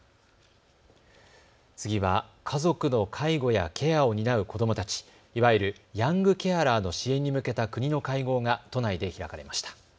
次は、家族の介護やケアを担う子どもたち、いわゆる、ヤングケアラーの支援に向けた国の会合が都内で開かれました。